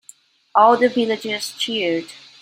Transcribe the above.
All the villagers cheered.